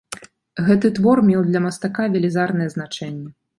Гэты твор меў для мастака велізарнае значэнне.